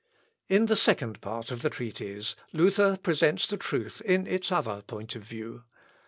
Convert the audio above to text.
] In the second part of the treatise Luther presents the truth in its other point of view.